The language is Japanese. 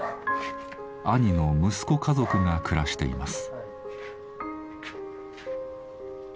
兄の息子家族が暮らしています。